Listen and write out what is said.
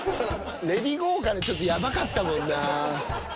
レリゴーからちょっとやばかったもんな。